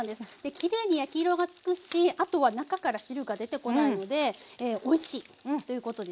きれいに焼き色がつくしあとは中から汁が出てこないのでおいしいということですね。